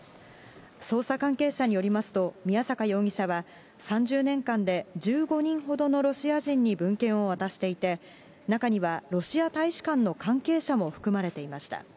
捜査関係者によりますと、宮坂容疑者は、３０年間で１５人ほどのロシア人に文献を渡していて、中にはロシア大使館の関係者も含まれていました。